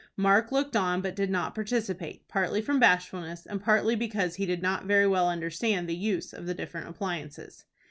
Mark looked on, but did not participate, partly from bashfulness, and partly because he did not very well understand the use of the different appliances.